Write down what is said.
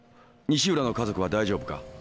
西浦の家族は大丈夫か？